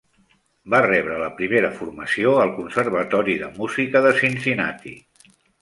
Va rebre la primera formació al conservatori de música de Cincinnati.